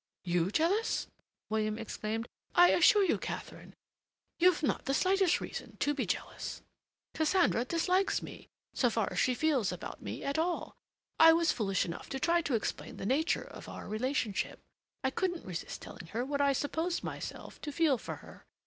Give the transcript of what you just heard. "You jealous!" William exclaimed. "I assure you, Katharine, you've not the slightest reason to be jealous. Cassandra dislikes me, so far as she feels about me at all. I was foolish enough to try to explain the nature of our relationship. I couldn't resist telling her what I supposed myself to feel for her.